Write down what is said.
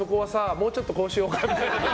もうちょっとこうしようかみたいな。